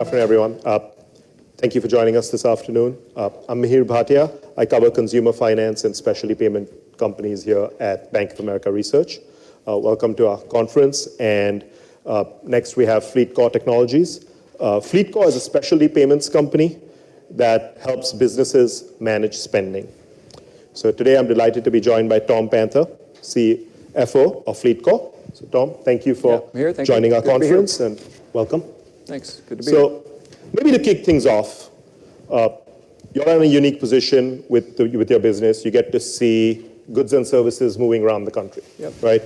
Afternoon, everyone. Thank you for joining us this afternoon. I'm Mihir Bhatia. I cover consumer finance and specialty payment companies here at Bank of America Research. Welcome to our conference, and next, we have FLEETCOR Technologies. FLEETCOR is a specialty payments company that helps businesses manage spending. Today, I'm delighted to be joined by Tom Panther, CFO of FLEETCOR. Tom, thank you for- Yeah, Mihir. Thank you. Joining our conference, and welcome. Thanks. Good to be here. So maybe to kick things off, you're in a unique position with your business. You get to see goods and services moving around the country. Yeah. Right?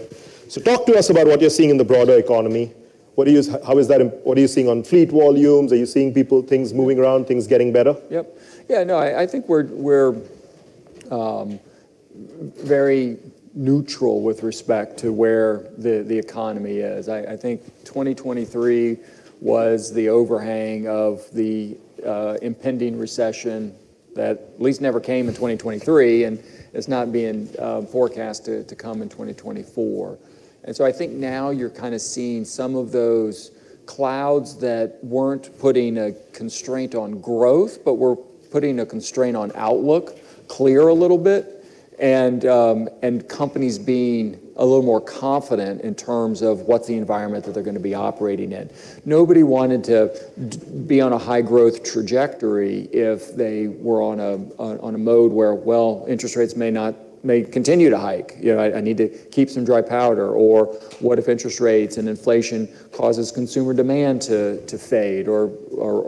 So talk to us about what you're seeing in the broader economy. What are you... How is that what are you seeing on fleet volumes? Are you seeing people, things moving around, things getting better? Yeah, no, I think we're very neutral with respect to where the economy is. I think 2023 was the overhang of the impending recession that at least never came in 2023, and it's not being forecasted to come in 2024. And so I think now you're kind of seeing some of those clouds that weren't putting a constraint on growth, but were putting a constraint on outlook, clear a little bit, and companies being a little more confident in terms of what's the environment that they're gonna be operating in. Nobody wanted to be on a high growth trajectory if they were on a mode where, well, interest rates may continue to hike. You know, I need to keep some dry powder, or what if interest rates and inflation causes consumer demand to fade or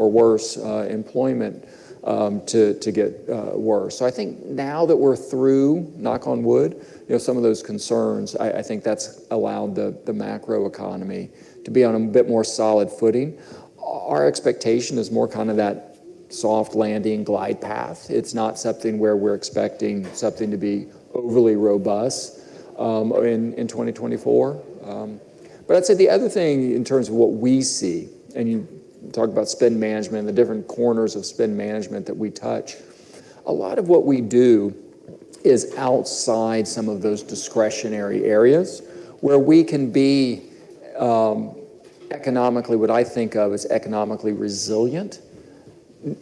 worse, employment to get worse. So I think now that we're through, knock on wood, you know, some of those concerns, I think that's allowed the macroeconomy to be on a bit more solid footing. Our expectation is more kind of that soft landing glide path. It's not something where we're expecting something to be overly robust in 2024. But I'd say the other thing in terms of what we see, and you talk about spend management and the different corners of spend management that we touch, a lot of what we do is outside some of those discretionary areas where we can be economically, what I think of as economically resilient.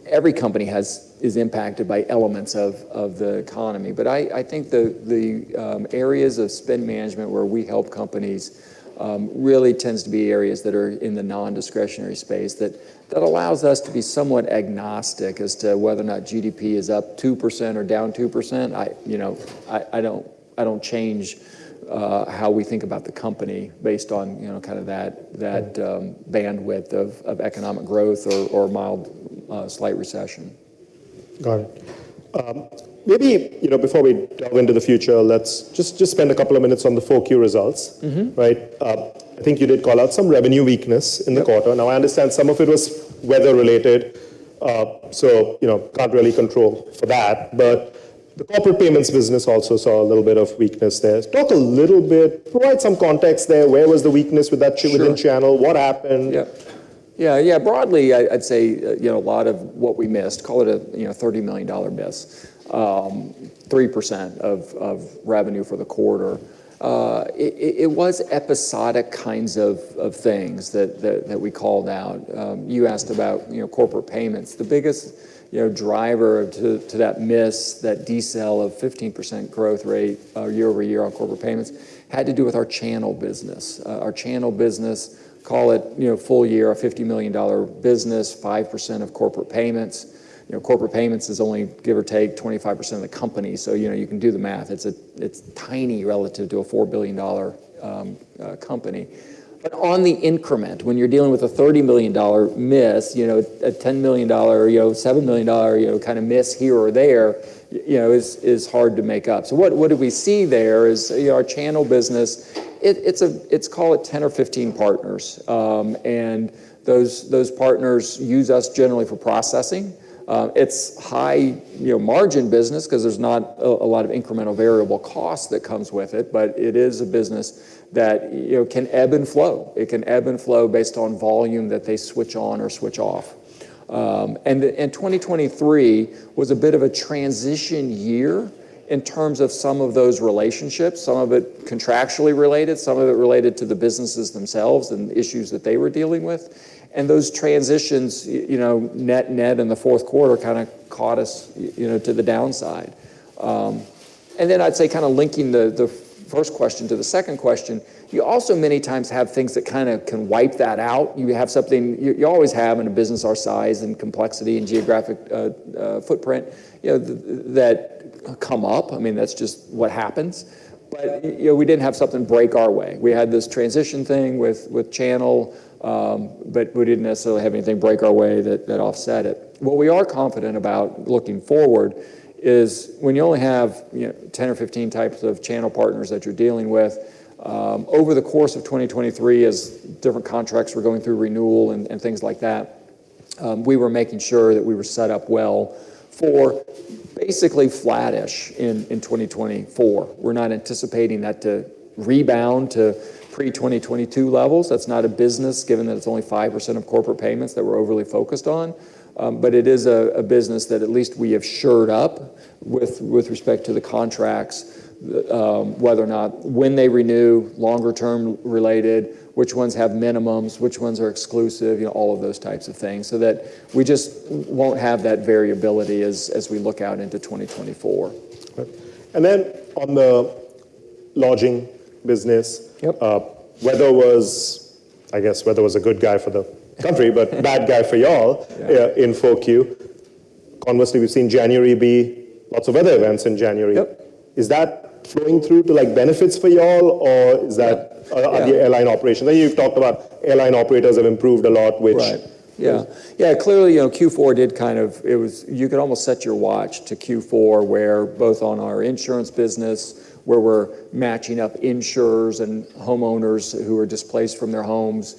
Every company is impacted by elements of the economy. But I think the areas of spend management where we help companies really tends to be areas that are in the non-discretionary space, that allows us to be somewhat agnostic as to whether or not GDP is up 2% or down 2%. I, you know, I don't change how we think about the company based on, you know, kind of that bandwidth of economic growth or mild slight recession. Got it. Maybe, you know, before we dive into the future, let's just, just spend a couple of minutes on the 4Q results. Mm-hmm. Right? I think you did call out some revenue weakness in the- Yep... quarter. Now, I understand some of it was weather related, so, you know, can't really control for that. But the corporate payments business also saw a little bit of weakness there. Talk a little bit, provide some context there. Where was the weakness with that- Sure... channel? What happened? Yep. Yeah, yeah, broadly, I'd say, you know, a lot of what we missed, call it a $30 million miss, 3% of revenue for the quarter. It was episodic kinds of things that we called out. You asked about, you know, corporate payments. The biggest driver to that miss, that decel of 15% growth rate, year-over-year on corporate payments, had to do with our channel business. Our channel business, call it, you know, full year, a $50 million business, 5% of corporate payments. You know, corporate payments is only, give or take, 25% of the company, so, you know, you can do the math. It's tiny relative to a $4 billion company. But on the increment, when you're dealing with a $30 million miss, you know, a $10 million, you know, $7 million, you know, kind of miss here or there, you know, is hard to make up. So what do we see there is, you know, our channel business, it's, call it, 10 or 15 partners. And those partners use us generally for processing. It's high, you know, margin business 'cause there's not a lot of incremental variable cost that comes with it, but it is a business that, you know, can ebb and flow. It can ebb and flow based on volume that they switch on or switch off. And 2023 was a bit of a transition year in terms of some of those relationships, some of it contractually related, some of it related to the businesses themselves and issues that they were dealing with. And those transitions, you know, net, net in the fourth quarter kind of caught us, you know, to the downside. And then I'd say, kind of linking the first question to the second question, you also many times have things that kind of can wipe that out. You always have in a business our size, and complexity, and geographic footprint, you know, that come up. I mean, that's just what happens. But, you know, we didn't have something break our way. We had this transition thing with channel, but we didn't necessarily have anything break our way that offset it. What we are confident about looking forward is, when you only have, you know, 10 or 15 types of channel partners that you're dealing with, over the course of 2023, as different contracts were going through renewal and things like that, we were making sure that we were set up well for basically flat-ish in 2024. We're not anticipating that to rebound to pre-2022 levels. That's not a business, given that it's only 5% of corporate payments that we're overly focused on. It is a business that at least we have shored up with respect to the contracts, whether or not when they renew, longer-term related, which ones have minimums, which ones are exclusive, you know, all of those types of things, so that we just won't have that variability as we look out into 2024. Okay. And then on the lodging business. Yep. Weather was, I guess, a good guy for the country, but bad guy for y'all. Yeah... yeah, in Q4. Conversely, we've seen January be lots of other events in January. Yep. Is that flowing through to, like, benefits for y'all or is that- Yeah, yeah... on the airline operation? I know you've talked about airline operators have improved a lot, which- Right. Yeah. Yeah, clearly, you know, Q4 did kind of, it was, you could almost set your watch to Q4, where both on our insurance business, where we're matching up insurers and homeowners who were displaced from their homes,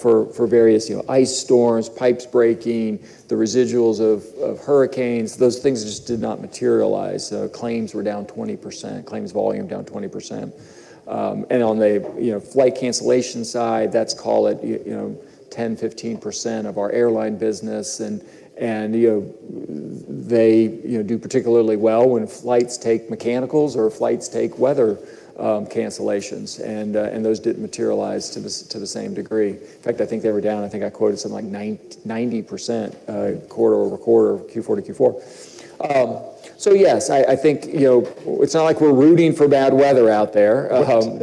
for various, you know, ice storms, pipes breaking, the residuals of hurricanes, those things just did not materialize. Claims were down 20%, claims volume down 20%. And on the, you know, flight cancellation side, that's call it, you know, 10, 15% of our airline business, and, you know, they, you know, do particularly well when flights take mechanicals or flights take weather cancellations, and those didn't materialize to the same degree. In fact, I think they were down, I think I quoted something like 90%, quarter-over-quarter, Q4 to Q4. So yes, I think, you know, it's not like we're rooting for bad weather out there,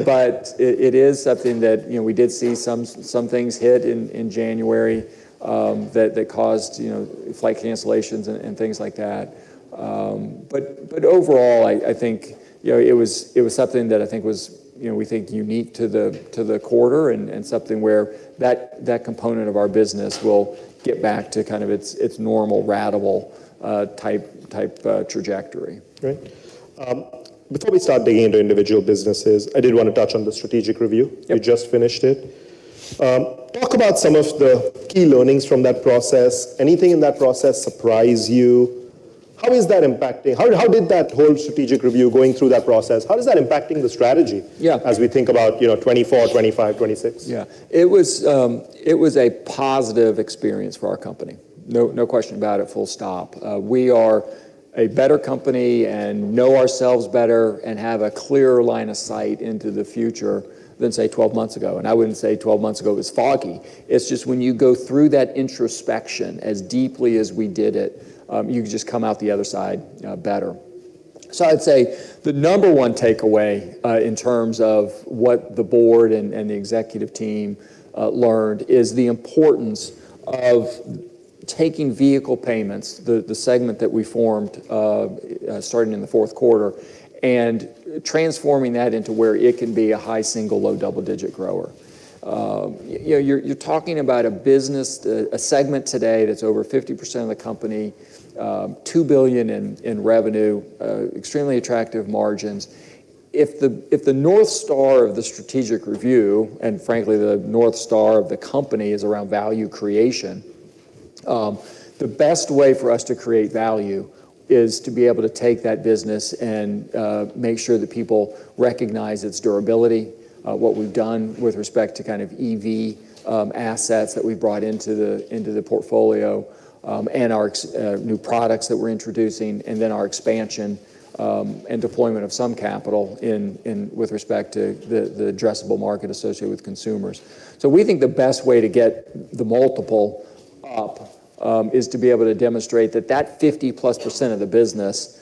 but it is something that, you know, we did see some things hit in January that caused, you know, flight cancellations and things like that. But overall, I think, you know, it was something that I think was, you know, we think unique to the quarter, and something where that component of our business will get back to kind of its normal ratable type trajectory. Great. Before we start digging into individual businesses, I did want to touch on the strategic review. Yep. You just finished it. Talk about some of the key learnings from that process. Anything in that process surprise you? How is that impacting- How, how did that whole strategic review, going through that process, how is that impacting the strategy- Yeah... as we think about, you know, 2024, 2025, 2026? Yeah. It was a positive experience for our company. No question about it, full stop. We are a better company, and know ourselves better, and have a clearer line of sight into the future than, say, 12 months ago, and I wouldn't say 12 months ago was foggy. It's just when you go through that introspection as deeply as we did it, you just come out the other side, better. So I'd say the number 1 takeaway, in terms of what the board and the executive team learned, is the importance of taking vehicle payments, the segment that we formed starting in the fourth quarter, and transforming that into where it can be a high single, low double-digit grower. You know, you're talking about a business, a segment today that's over 50% of the company, $2 billion in revenue, extremely attractive margins. If the north star of the strategic review, and frankly, the north star of the company, is around value creation, the best way for us to create value is to be able to take that business and make sure that people recognize its durability, what we've done with respect to kind of EV assets that we brought into the portfolio, and our new products that we're introducing, and then our expansion and deployment of some capital in with respect to the addressable market associated with consumers. So we think the best way to get the multiple up is to be able to demonstrate that that 50%+ of the business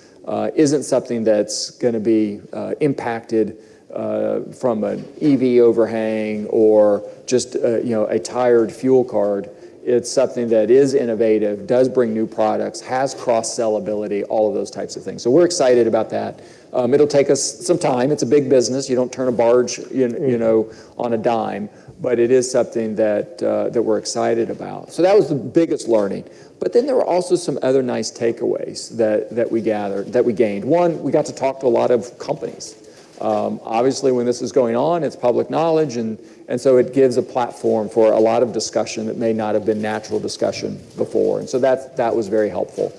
isn't something that's gonna be impacted from an EV overhang or just a, you know, a tired fuel card. It's something that is innovative, does bring new products, has cross-sell ability, all of those types of things. So we're excited about that. It'll take us some time. It's a big business. You don't turn a barge, you know, on a dime, but it is something that we're excited about. So that was the biggest learning. But then there were also some other nice takeaways that we gathered, that we gained. One, we got to talk to a lot of companies. Obviously, when this is going on, it's public knowledge, and so it gives a platform for a lot of discussion that may not have been natural discussion before, and so that was very helpful.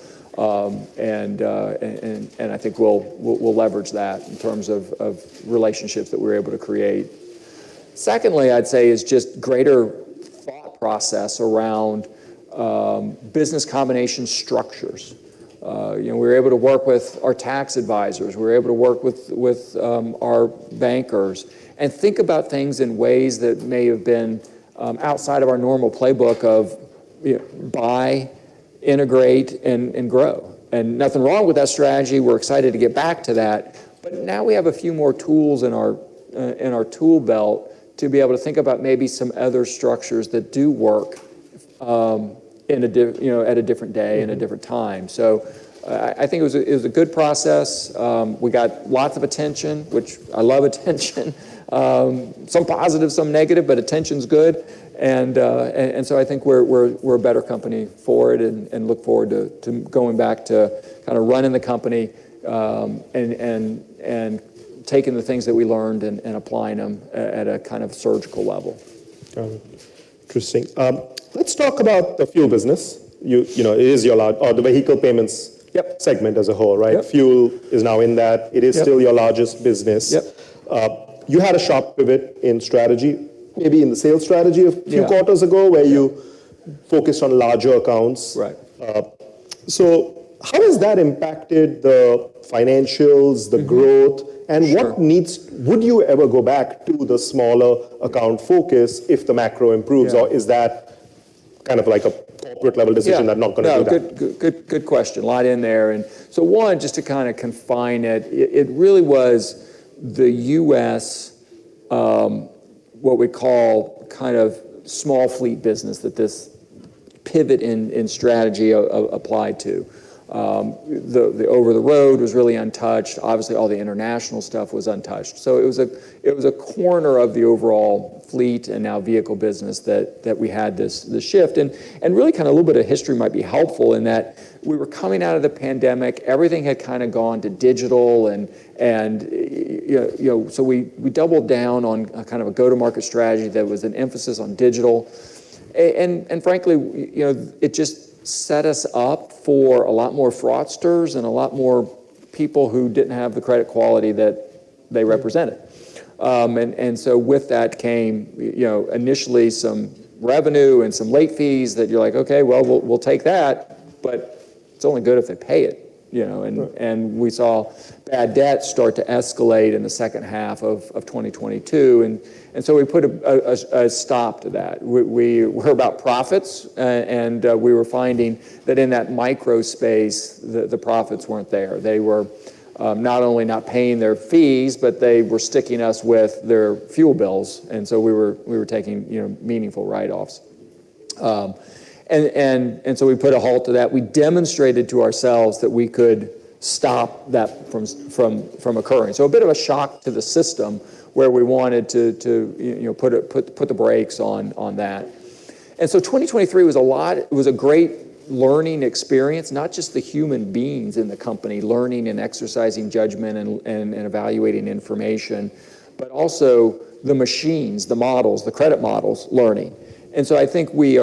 And I think we'll leverage that in terms of relationships that we're able to create. Secondly, I'd say, is just greater thought process around business combination structures. You know, we were able to work with our tax advisors. We were able to work with our bankers and think about things in ways that may have been outside of our normal playbook of you know, buy, integrate, and grow. Nothing wrong with that strategy. We're excited to get back to that. But now we have a few more tools in our, in our tool belt to be able to think about maybe some other structures that do work, you know, at a different day and a different time. So I think it was a good process. We got lots of attention, which I love attention. Some positive, some negative, but attention's good, and so I think we're a better company for it, and look forward to going back to kind of running the company, and taking the things that we learned and applying them at a kind of surgical level. Interesting. Let's talk about the fuel business. You, you know, it is your lar-- or the vehicle payments- Yep... segment as a whole, right? Yep. Fuel is now in that. Yep. It is still your largest business. Yep. You had a sharp pivot in strategy, maybe in the sales strategy- Yeah... a few quarters ago- Yeah... where you focused on larger accounts. Right. How has that impacted the financials? Mm-hmm... the growth- Sure ... and would you ever go back to the smaller account focus if the macro improves? Yeah. Or is that kind of like a corporate level decision? Yeah They're not gonna do that? No, good, good, good question. A lot in there. And so one, just to kind of confine it, it really was the U.S., what we call kind of small fleet business that this pivot in strategy applied to. The over-the-road was really untouched. Obviously, all the international stuff was untouched. So it was a corner of the overall fleet and now vehicle business that we had this shift. And really, kind of a little bit of history might be helpful in that we were coming out of the pandemic, everything had kind of gone to digital and, you know, so we doubled down on a kind of a go-to-market strategy that was an emphasis on digital. Frankly, you know, it just set us up for a lot more fraudsters and a lot more people who didn't have the credit quality that they represented. So with that came, you know, initially some revenue and some late fees that you're like: "Okay, well, we'll, we'll take that," but it's only good if they pay it, you know? Right. We saw bad debt start to escalate in the second half of 2022, and so we put a stop to that. We're about profits, and we were finding that in that microspace, the profits weren't there. They were not only not paying their fees, but they were sticking us with their fuel bills, and so we were taking, you know, meaningful write-offs. So we put a halt to that. We demonstrated to ourselves that we could stop that from occurring. So a bit of a shock to the system, where we wanted to, you know, put the brakes on that. And so 2023 was a lot... It was a great learning experience, not just the human beings in the company, learning and exercising judgment and evaluating information, but also the machines, the models, the credit models learning. And so I think we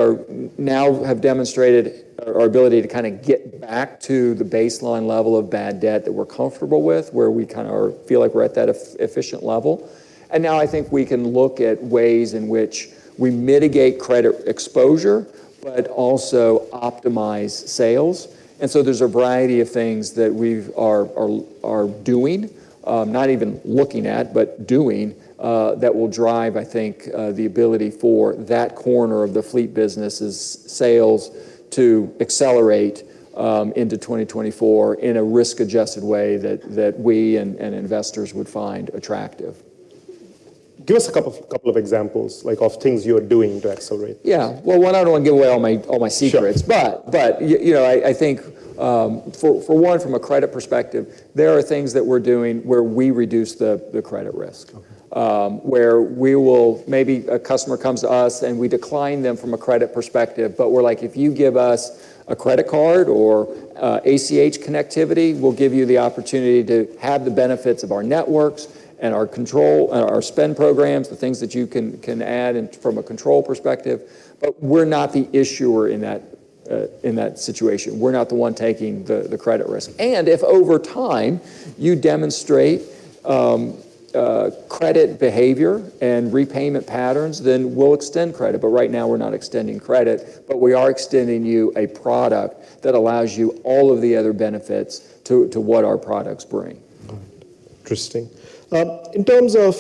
now have demonstrated our ability to kind of get back to the baseline level of bad debt that we're comfortable with, where we kind of feel like we're at that efficient level. And now, I think we can look at ways in which we mitigate credit exposure, but also optimize sales. And so there's a variety of things that we're doing, not even looking at, but doing, that will drive, I think, the ability for that corner of the fleet business's sales to accelerate into 2024 in a risk-adjusted way that we and investors would find attractive. Give us a couple of examples, like, of things you are doing to accelerate. Yeah. Well, one, I don't want to give away all my secrets- Sure... but you know, I think, for one, from a credit perspective, there are things that we're doing where we reduce the credit risk. Okay. Maybe a customer comes to us, and we decline them from a credit perspective, but we're like: "If you give us a credit card or ACH connectivity, we'll give you the opportunity to have the benefits of our networks and our control and our spend programs, the things that you can add in from a control perspective." But we're not the issuer in that situation. We're not the one taking the credit risk. And if over time, you demonstrate credit behavior and repayment patterns, then we'll extend credit, but right now, we're not extending credit. But we are extending you a product that allows you all of the other benefits to what our products bring. All right. Interesting. In terms of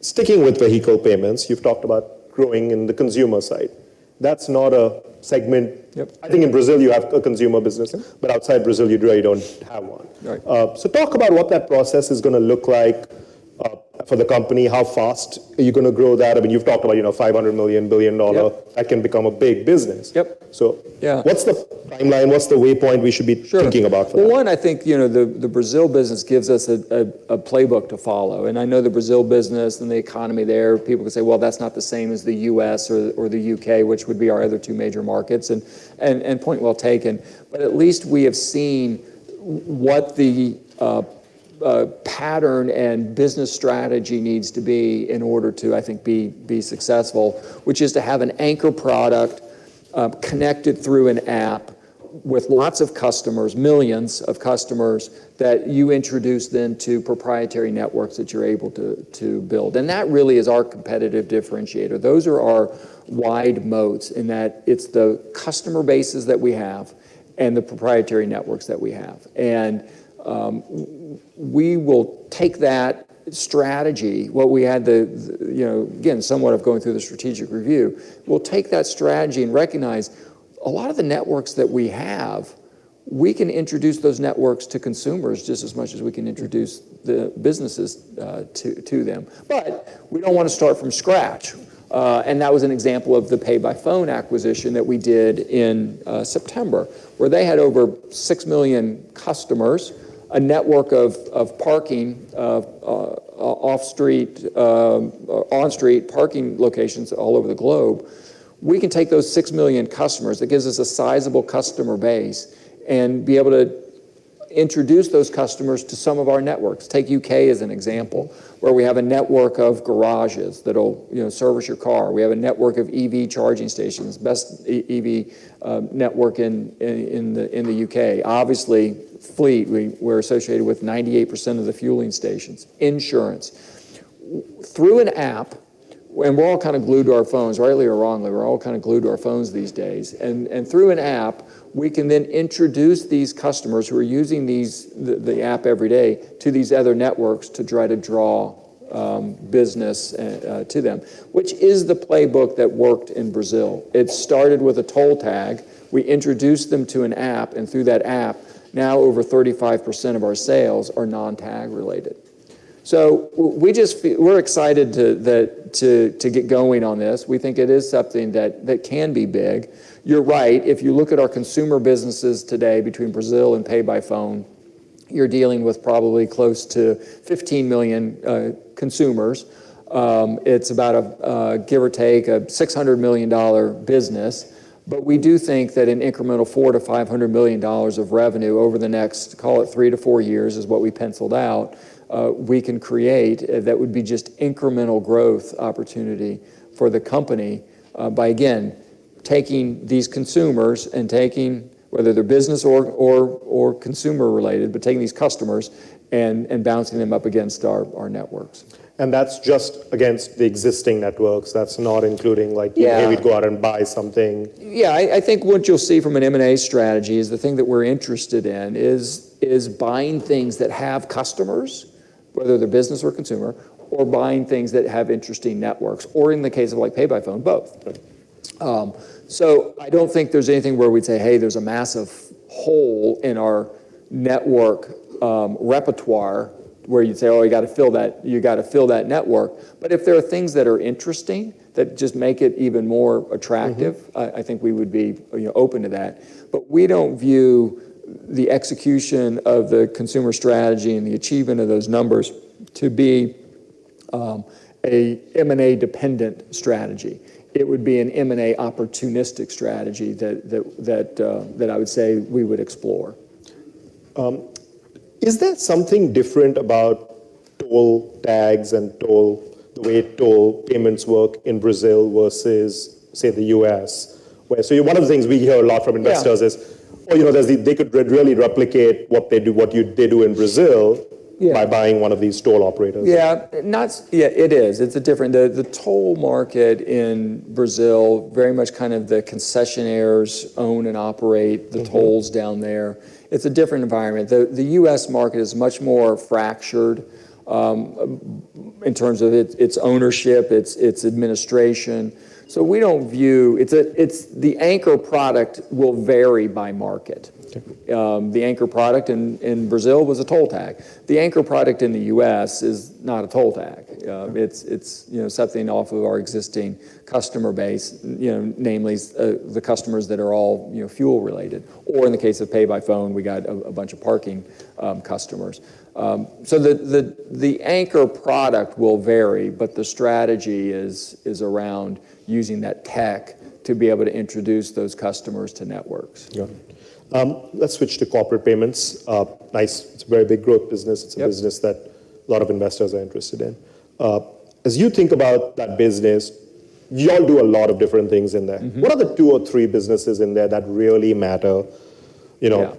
sticking with vehicle payments, you've talked about growing in the consumer side. That's not a segment- Yep... I think in Brazil, you have a consumer business- Yeah But outside Brazil, you really don't have one. Right. So talk about what that process is gonna look like for the company. How fast are you gonna grow that? I mean, you've talked about, you know, $500 million, $1 billion dollar- Yep that can become a big business. Yep. So- Yeah... what's the timeline? What's the waypoint we should be- Sure Thinking about for that? Well, one, I think, you know, the Brazil business gives us a playbook to follow, and I know the Brazil business and the economy there. People can say: "Well, that's not the same as the U.S. or the U.K.," which would be our other two major markets, and point well taken. But at least we have seen what the pattern and business strategy needs to be in order to, I think, be successful, which is to have an anchor product connected through an app with lots of customers, millions of customers, that you introduce then to proprietary networks that you're able to build. And that really is our competitive differentiator. Those are our wide moats in that it's the customer bases that we have and the proprietary networks that we have. And, we will take that strategy, what we had the, you know, again, somewhat of going through the strategic review, we'll take that strategy and recognize a lot of the networks that we have, we can introduce those networks to consumers just as much as we can introduce the businesses to them. But we don't want to start from scratch, and that was an example of the PayByPhone acquisition that we did in September, where they had over 6 million customers, a network of parking, off street, on street parking locations all over the globe. We can take those 6 million customers, it gives us a sizable customer base, and be able to introduce those customers to some of our networks. Take U.K. as an example, where we have a network of garages that will, you know, service your car. We have a network of EV charging stations, best EV network in the U.K. Obviously, fleet, we're associated with 98% of the fueling stations. Insurance. Through an app... and we're all kind of glued to our phones, rightly or wrongly, we're all kind of glued to our phones these days. And through an app, we can then introduce these customers who are using the app every day to these other networks to try to draw business to them, which is the playbook that worked in Brazil. It started with a toll tag. We introduced them to an app, and through that app, now over 35% of our sales are non-tag related. So we're excited to get going on this. We think it is something that can be big. You're right, if you look at our consumer businesses today between Brazil and PayByPhone, you're dealing with probably close to 15 million consumers. It's about, give or take, a $600 million business. But we do think that an incremental $400 million-$500 million of revenue over the next, call it 3-4 years, is what we penciled out, we can create, that would be just incremental growth opportunity for the company, by again, taking these consumers and taking, whether they're business or consumer-related, but taking these customers and bouncing them up against our networks. And that's just against the existing networks, that's not including, like- Yeah... maybe go out and buy something. Yeah, I think what you'll see from an M&A strategy is the thing that we're interested in is buying things that have customers, whether they're business or consumer, or buying things that have interesting networks, or in the case of like PayByPhone, both. So I don't think there's anything where we'd say, "Hey, there's a massive hole in our network repertoire," where you'd say, "Oh, you got to fill that... You got to fill that network." But if there are things that are interesting, that just make it even more attractive- Mm-hmm... I think we would be, you know, open to that. But we don't view the execution of the consumer strategy and the achievement of those numbers to be a M&A-dependent strategy. It would be an M&A opportunistic strategy that I would say we would explore. Is there something different about toll tags and toll, the way toll payments work in Brazil versus, say, the U.S.? So one of the things we hear a lot from investors is- Yeah... oh, you know, they could really replicate what they do, what you did do in Brazil. Yeah ... by buying one of these toll operators. Yeah. Yeah, it is. It's a different—the toll market in Brazil, very much kind of the concessionaires own and operate- Mm-hmm... the tolls down there. It's a different environment. The U.S. market is much more fractured in terms of its ownership, its administration. So we don't view... It's the anchor product will vary by market. Okay. The anchor product in Brazil was a toll tag. The anchor product in the US is not a toll tag. It's, you know, something off of our existing customer base, you know, namely the customers that are all, you know, fuel-related, or in the case of PayByPhone, we got a bunch of parking customers. So the anchor product will vary, but the strategy is around using that tech to be able to introduce those customers to networks. Yeah. Let's switch to corporate payments. Nice, it's a very big growth business. Yep. It's a business that a lot of investors are interested in. As you think about that business, y'all do a lot of different things in there. Mm-hmm. What are the two or three businesses in there that really matter, you know? Yeah...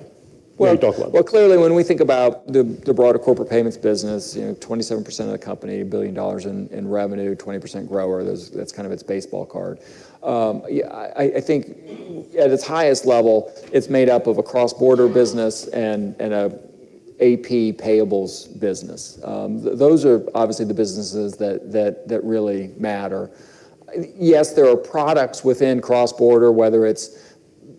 when we talk about them? Well, clearly, when we think about the broader corporate payments business, you know, 27% of the company, $1 billion in revenue, 20% grower, that's kind of its baseball card. Yeah, I think at its highest level, it's made up of a cross-border business and a AP payables business. Those are obviously the businesses that really matter. Yes, there are products within cross-border, whether it's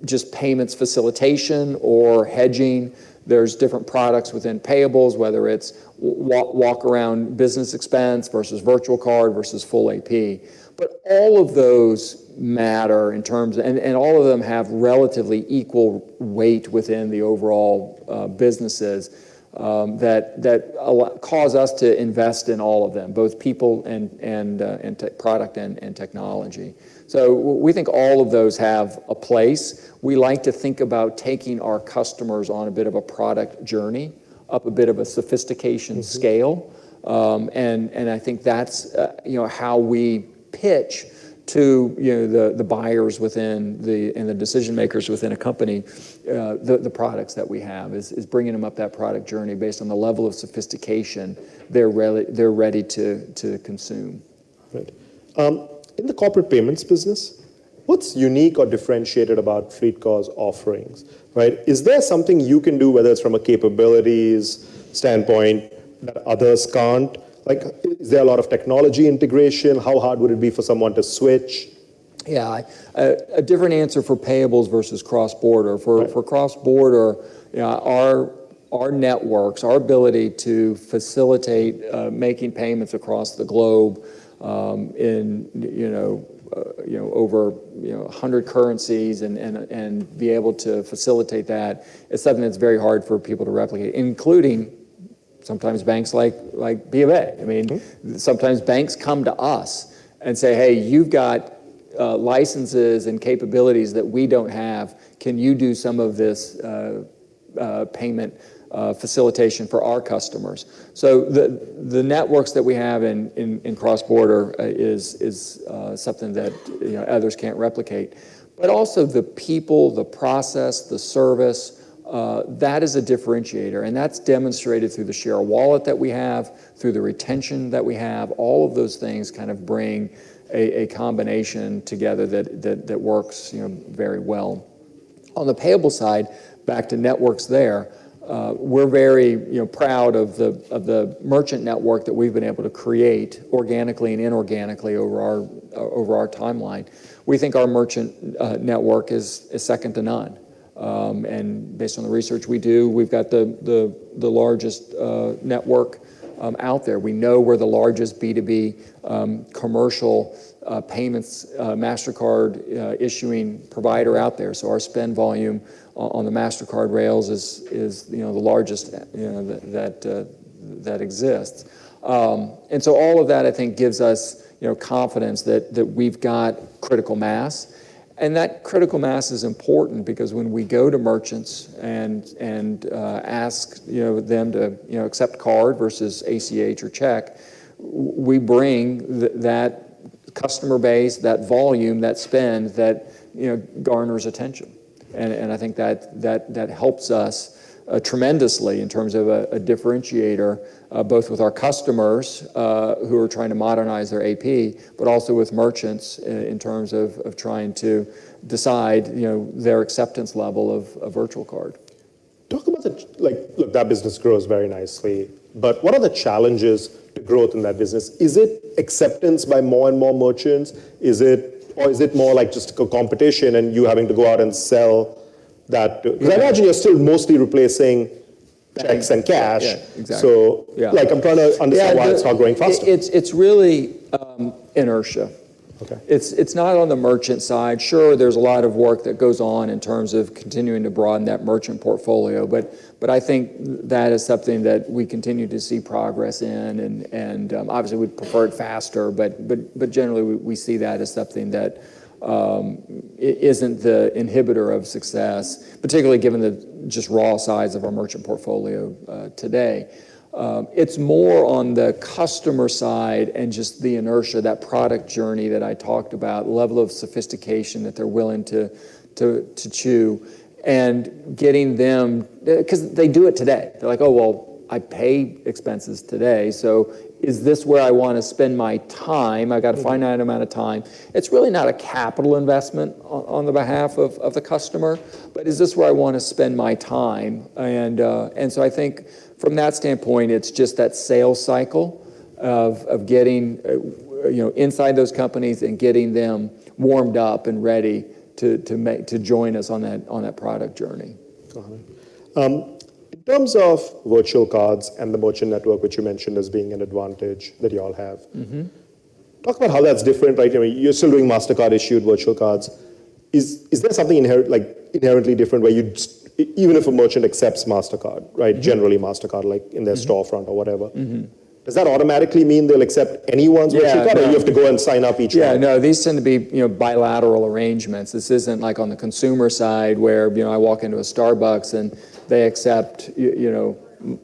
just payments facilitation or hedging. There's different products within payables, whether it's walk-around business expense versus virtual card versus full AP. But all of those matter in terms. And all of them have relatively equal weight within the overall businesses that cause us to invest in all of them, both people and product and technology. So we think all of those have a place. We like to think about taking our customers on a bit of a product journey, up a bit of a sophistication scale. Mm-hmm. I think that's, you know, how we pitch to, you know, the buyers within and the decision makers within a company, the products that we have. Is bringing them up that product journey based on the level of sophistication they're ready to consume. Right. In the corporate payments business, what's unique or differentiated about FLEETCOR's offerings, right? Is there something you can do, whether it's from a capabilities standpoint, that others can't? Like, is there a lot of technology integration? How hard would it be for someone to switch? Yeah. A different answer for payables versus cross-border. Right. For cross-border, our networks, our ability to facilitate making payments across the globe, in you know you know over 100 currencies and be able to facilitate that, it's something that's very hard for people to replicate, including sometimes banks like BofA. Mm-hmm. I mean, sometimes banks come to us and say, "Hey, you've got licenses and capabilities that we don't have. Can you do some of this payment facilitation for our customers?" So the networks that we have in cross-border is something that, you know, others can't replicate. But also the people, the process, the service that is a differentiator, and that's demonstrated through the share of wallet that we have, through the retention that we have. All of those things kind of bring a combination together that works, you know, very well. On the payable side, back to networks there, we're very, you know, proud of the merchant network that we've been able to create organically and inorganically over our timeline. We think our merchant network is second to none. And based on the research we do, we've got the largest network out there. We know we're the largest B2B commercial payments Mastercard issuing provider out there, so our spend volume on the Mastercard rails is, you know, the largest, you know, that exists. And so all of that, I think, gives us, you know, confidence that we've got critical mass, and that critical mass is important because when we go to merchants and ask, you know, them to, you know, accept card versus ACH or check, we bring that customer base, that volume, that spend, that, you know, garners attention. I think that helps us tremendously in terms of a differentiator both with our customers who are trying to modernize their AP, but also with merchants in terms of trying to decide, you know, their acceptance level of a virtual card. Like, look, that business grows very nicely, but what are the challenges to growth in that business? Is it acceptance by more and more merchants? Is it... Or is it more like just competition and you having to go out and sell that to- Yeah. 'Cause I imagine you're still mostly replacing checks and cash. Yeah. Yeah, exactly. So- Yeah... like, I'm trying to understand why it's not growing faster. Yeah, it's really inertia. Okay. It's not on the merchant side. Sure, there's a lot of work that goes on in terms of continuing to broaden that merchant portfolio, but I think that is something that we continue to see progress in, and obviously, we'd prefer it faster, but generally, we see that as something that isn't the inhibitor of success, particularly given the just raw size of our merchant portfolio today. It's more on the customer side and just the inertia, that product journey that I talked about, level of sophistication that they're willing to chew, and getting them... 'Cause they do it today. They're like: "Oh, well, I pay expenses today, so is this where I wanna spend my time? Mm-hmm. I've got a finite amount of time." It's really not a capital investment on behalf of the customer, but is this where I wanna spend my time? And so I think from that standpoint, it's just that sales cycle of getting you know, inside those companies and getting them warmed up and ready to make... to join us on that product journey. Got it. In terms of virtual cards and the merchant network, which you mentioned as being an advantage that you all have- Mm-hmm... talk about how that's different, right? I mean, you're still doing Mastercard-issued virtual cards. Is there something inherently different where you even if a merchant accepts Mastercard, right? Mm-hmm. Generally, Mastercard, like- Mm-hmm... in their storefront or whatever. Mm-hmm. Does that automatically mean they'll accept anyone's virtual card? Yeah, no... or you have to go and sign up each one? Yeah, no, these tend to be, you know, bilateral arrangements. This isn't like on the consumer side, where, you know, I walk into a Starbucks, and they accept you know,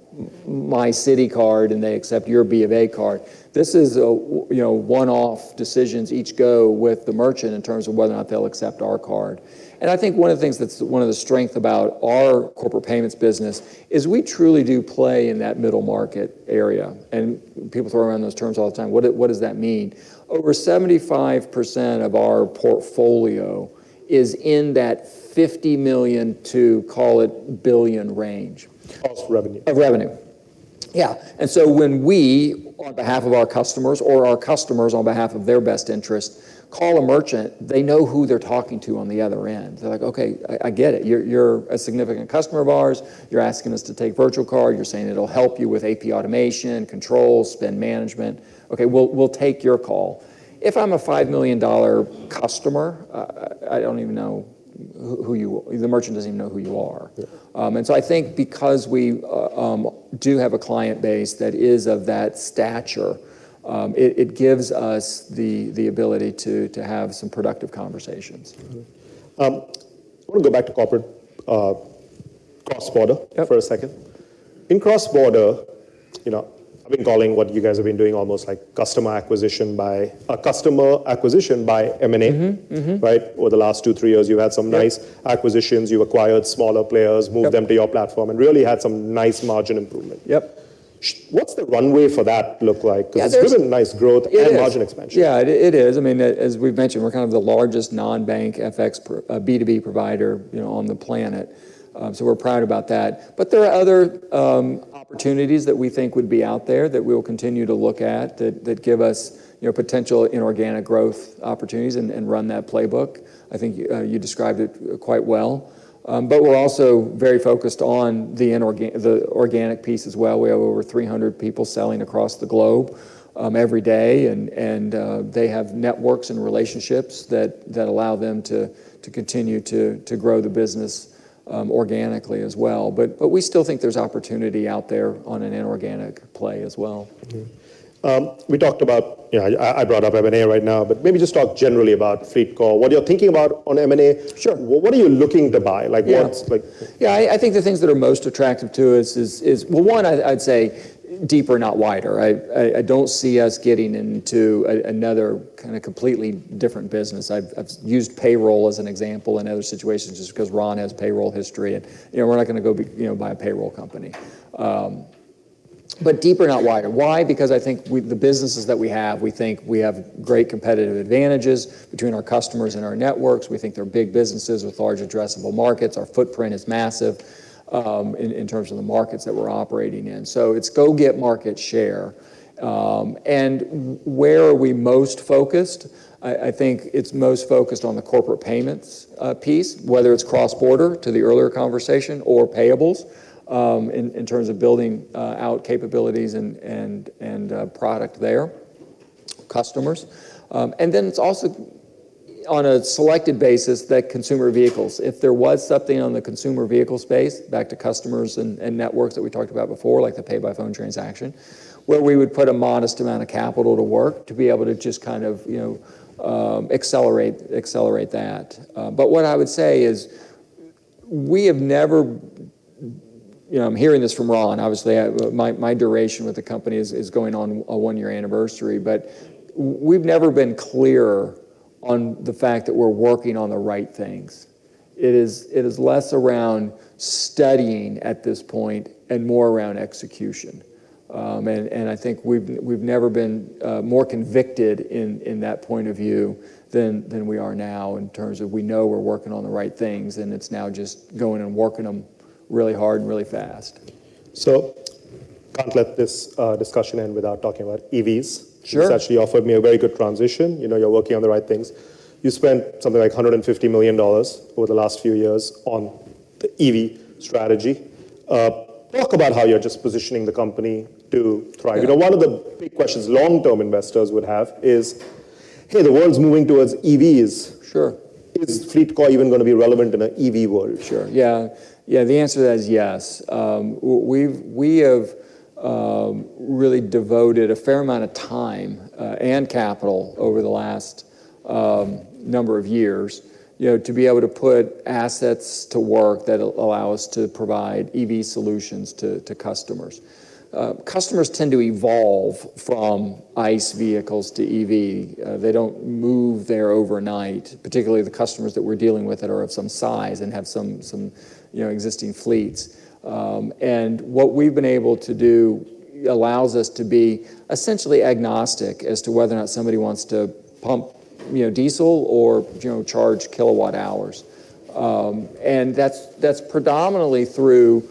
my Citi card, and they accept your B of A card. This is a you know, one-off decisions, each go with the merchant in terms of whether or not they'll accept our card. And I think one of the things that's one of the strength about our corporate payments business is we truly do play in that middle market area, and people throw around those terms all the time. What what does that mean? Over 75% of our portfolio is in that $50 million-$1 billion range. Cost revenue. Of revenue. Yeah, and so when we, on behalf of our customers, or our customers on behalf of their best interest, call a merchant, they know who they're talking to on the other end. They're like: "Okay, I get it. You're a significant customer of ours. You're asking us to take virtual card. You're saying it'll help you with AP automation, control, spend management. Okay, we'll take your call." If I'm a $5 million customer, I don't even know who you are, the merchant doesn't even know who you are. Yeah. I think because we do have a client base that is of that stature, it gives us the ability to have some productive conversations. Mm-hmm. I wanna go back to corporate cross-border- Yeah... for a second. In cross-border, you know, I've been calling what you guys have been doing almost like customer acquisition by... customer acquisition by M&A. Mm-hmm. Mm-hmm. Right? Over the last 2-3 years, you've had some nice- Yeah... acquisitions. You've acquired smaller players- Yep... moved them to your platform, and really had some nice margin improvement. Yep. What's the runway for that look like? Yeah, there's- 'Cause there's been nice growth- It is... and margin expansion. Yeah, it is. I mean, as we've mentioned, we're kind of the largest non-bank FX B2B provider, you know, on the planet. So we're proud about that. But there are other opportunities that we think would be out there that we'll continue to look at, that give us, you know, potential inorganic growth opportunities and run that playbook. I think you described it quite well. But we're also very focused on the organic piece as well. We have over 300 people selling across the globe every day, and they have networks and relationships that allow them to continue to grow the business organically as well, but we still think there's opportunity out there on an inorganic play as well. Mm-hmm. We talked about... You know, I brought up M&A right now, but maybe just talk generally about FLEETCOR, what you're thinking about on M&A? Sure. What are you looking to buy? Yeah. Like, what's, like- Yeah, I think the things that are most attractive to us is. Well, one, I'd say deeper, not wider. I don't see us getting into another kind of completely different business. I've used payroll as an example in other situations, just 'cause Ron has payroll history, and, you know, we're not gonna go buy a payroll company. But deeper, not wider. Why? Because I think we the businesses that we have, we think we have great competitive advantages between our customers and our networks. We think they're big businesses with large addressable markets. Our footprint is massive in terms of the markets that we're operating in. So it's go get market share. And where are we most focused? I think it's most focused on the corporate payments piece, whether it's cross-border, to the earlier conversation, or payables, in terms of building out capabilities and product there, customers. And then it's also on a selected basis, that consumer vehicles. If there was something on the consumer vehicle space, back to customers and networks that we talked about before, like the pay-by-phone transaction, where we would put a modest amount of capital to work to be able to just kind of, you know, accelerate that. But what I would say is, we have never... You know, I'm hearing this from Ron, obviously. My duration with the company is going on a one-year anniversary, but we've never been clearer on the fact that we're working on the right things. It is less around studying at this point and more around execution. And I think we've never been more convicted in that point of view than we are now, in terms of we know we're working on the right things, and it's now just going and working them really hard and really fast. So, can't let this discussion end without talking about EVs. Sure. Which actually offered me a very good transition. You know, you're working on the right things. You spent something like $150 million over the last few years on the EV strategy. Talk about how you're just positioning the company to thrive. Yeah. You know, one of the big questions long-term investors would have is, "Hey, the world's moving towards EVs- Sure. Is FLEETCOR even gonna be relevant in an EV world? Sure, yeah. Yeah, the answer to that is yes. We've really devoted a fair amount of time and capital over the last number of years, you know, to be able to put assets to work that allow us to provide EV solutions to customers. Customers tend to evolve from ICE vehicles to EV. They don't move there overnight, particularly the customers that we're dealing with that are of some size and have some, you know, existing fleets. And what we've been able to do allows us to be essentially agnostic as to whether or not somebody wants to pump, you know, diesel or, you know, charge kilowatt hours. That's predominantly through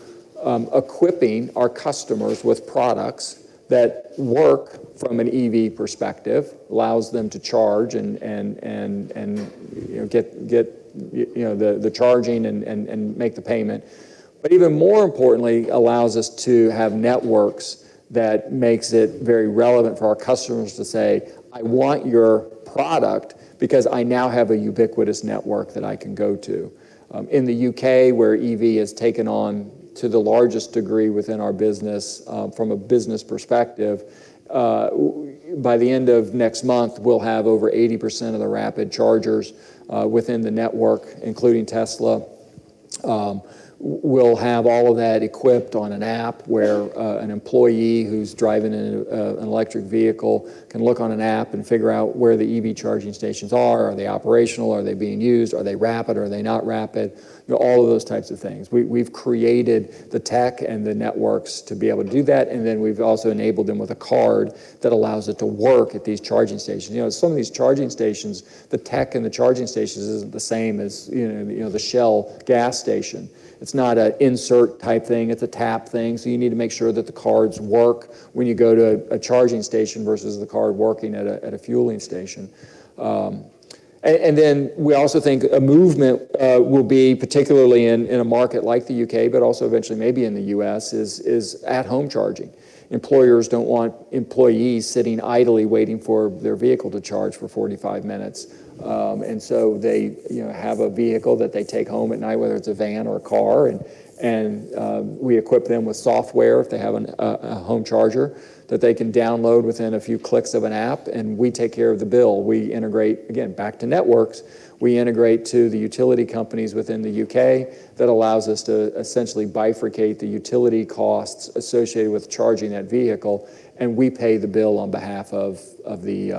equipping our customers with products that work from an EV perspective, allows them to charge and you know get you know the charging and make the payment. But even more importantly, allows us to have networks that makes it very relevant for our customers to say, "I want your product because I now have a ubiquitous network that I can go to." In the U.K., where EV has taken on to the largest degree within our business, from a business perspective, by the end of next month, we'll have over 80% of the rapid chargers within the network, including Tesla. We'll have all of that equipped on an app where an employee who's driving an electric vehicle can look on an app and figure out where the EV charging stations are. Are they operational? Are they being used? Are they rapid, or are they not rapid? You know, all of those types of things. We've created the tech and the networks to be able to do that, and then we've also enabled them with a card that allows it to work at these charging stations. You know, some of these charging stations, the tech in the charging stations isn't the same as, you know, the Shell gas station. It's not a insert type thing. It's a tap thing, so you need to make sure that the cards work when you go to a charging station versus the card working at a fueling station. And then we also think a movement will be, particularly in a market like the U.K., but also eventually maybe in the U.S., is at-home charging. Employers don't want employees sitting idly, waiting for their vehicle to charge for 45 minutes. And so they, you know, have a vehicle that they take home at night, whether it's a van or a car, and we equip them with software if they have a home charger, that they can download within a few clicks of an app, and we take care of the bill. We integrate... Again, back to networks, we integrate to the utility companies within the U.K. That allows us to essentially bifurcate the utility costs associated with charging that vehicle, and we pay the bill on behalf of the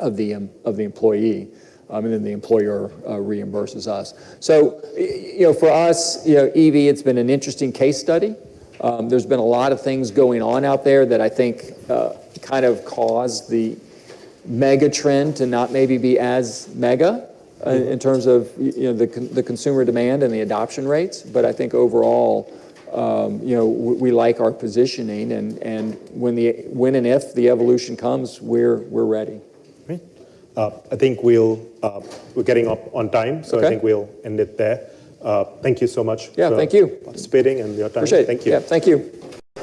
employee, and then the employer reimburses us. So you know, for us, you know, EV, it's been an interesting case study. There's been a lot of things going on out there that I think kind of caused the mega trend to not maybe be as mega in terms of you know, the consumer demand and the adoption rates. But I think overall, you know, we like our positioning and, and when, when and if the evolution comes, we're ready. Great. I think we'll, we're getting up on time- Okay. I think we'll end it there. Thank you so much for- Yeah, thank you.... participating and your time. Appreciate it. Thank you. Yeah, thank you.